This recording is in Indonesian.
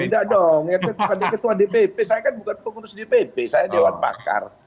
tidak dong itu kepada ketua dpp saya kan bukan pengurus dpp saya dewan pakar